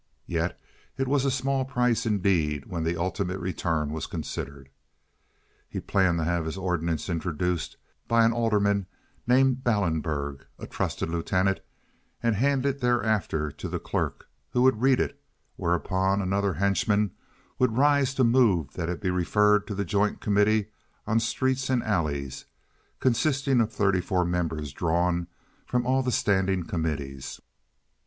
Yet it was a small price indeed when the ultimate return was considered. He planned to have his ordinance introduced by an alderman named Ballenberg, a trusted lieutenant, and handed thereafter to the clerk, who would read it, whereupon another henchman would rise to move that it be referred to the joint committee on streets and alleys, consisting of thirty four members drawn from all the standing committees.